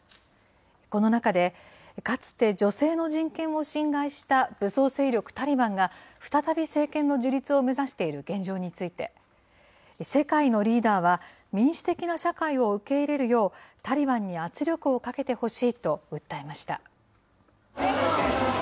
この中で、かつて女性の人権を侵害した武装勢力タリバンが、再び政権の樹立を目指している現状について、世界のリーダーは、民主的な社会を受け入れるよう、タリバンに圧力をかけてほしいと訴えました。